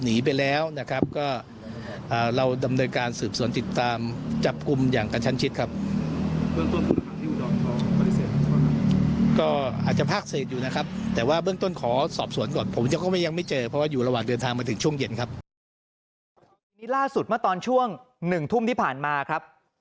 นี่ล่าสุดเมื่อตอนช่วง๑ทุ่มที่ผ่านมาครับ